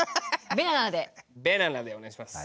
ベナナでお願いします。